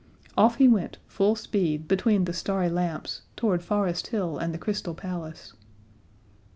Off he went, full speed, between the starry lamps, toward Forest Hill and the Crystal Palace.